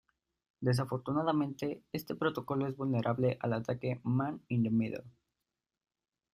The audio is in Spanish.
Desafortunadamente, este protocolo es vulnerable al ataque Man-in-the-middle.